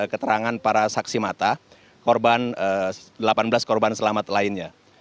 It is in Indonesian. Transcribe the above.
keterangan para saksi mata korban delapan belas korban selamat lainnya